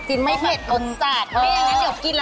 ใช่ตริชายอย่างสายกิน